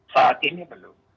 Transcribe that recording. saat ini belum